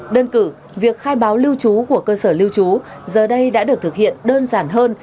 đơn cử việc khai báo lưu trú của cơ sở lưu trú giờ đây đã được thực hiện đơn giản hơn